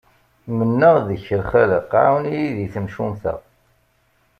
Mennaɣ deg-k a lxaleq, ɛawen-iyi di temcumt-a.